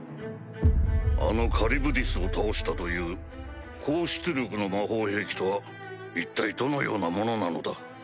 あのカリュブディスを倒したという高出力の魔法兵器とは一体どのようなものなのだ？